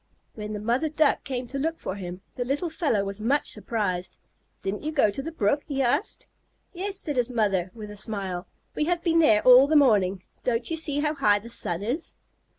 When the mother Duck came to look for him, the little fellow was much surprised. "Didn't you go to the brook?" he asked. "Yes," said his mother, with a smile. "We have been there all the morning. Don't you see how high the sun is?"